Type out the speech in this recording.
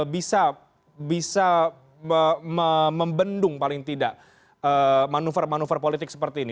bisa membendung paling tidak manuver manuver politik seperti ini